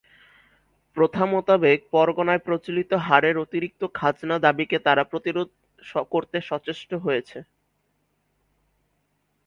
প্রথা মোতাবেক পরগনায় প্রচলিত হারের অতিরিক্ত খাজনা দাবিকে তারা প্রতিরোধ করতে সচেষ্ট হয়েছে।